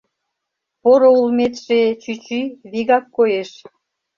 Поро улметше, чӱчӱ, вигак коеш.